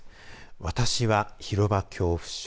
私は広場恐怖症